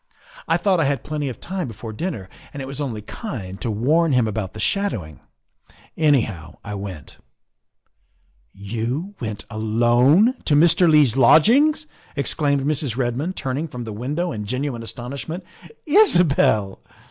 I thought I had plenty of tune before dinner and it was 126 THE WIFE OF only kind to warn him about the shadowing. Anyhow, I went." '' You went, alone, to Mr. Leigh 's lodgings !" ex claimed Mrs. Redmond, turning from the window in genuine astonishment. " Isabel!"